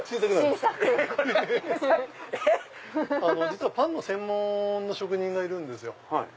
実はパンの専門の職人がいるんですよ。